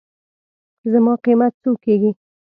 زما قېمت څو کېږي.